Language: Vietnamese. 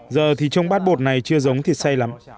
giờ thì trong bát bột này chưa giống thịt xay lắm